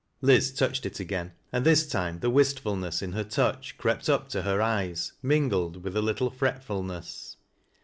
Liz tonched it again, and this time the wistfulness ii her touch crept up to her eyes, mingled with a little fiet fulness.